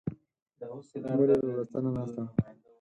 مور یې په بړستنه ناسته وه.